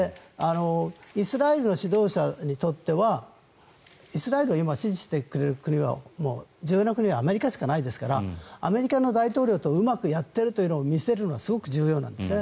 イスラエルの指導者にとってはイスラエルを今、支持してくれる国は重要な国はアメリカしかないですからアメリカの大統領とうまくやっているというのを見せるのはすごく重要なんです。